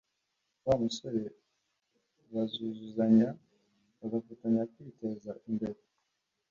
wa musore bazuzuzanya bagafatanya kwiteza imbere